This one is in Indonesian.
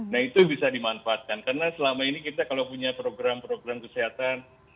nah itu bisa dimanfaatkan karena selama ini kita kalau punya program program kesehatan